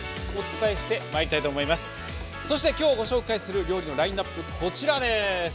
そして、きょう、ご紹介する料理のラインナップです。